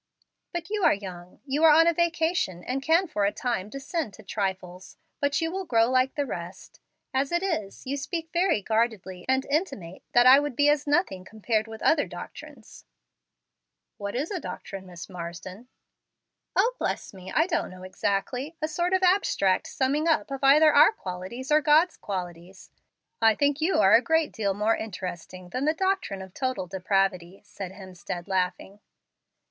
"But you are young. You are on a vacation, and can for a time descend to trifles, but you will grow like the rest. As it is, you speak very guardedly, and intimate that I would be as nothing compared with other doctrines." "What is a doctrine, Miss Marsden?" "O, bless me, I don't know exactly; a sort of abstract summing up of either our qualities or God's qualities. The only doctrine I even half understand is that of 'total depravity,' and I sometimes fear it's true." "I think you are a great deal more interesting than the 'doctrine of total depravity,'" said Hemstead, laughing.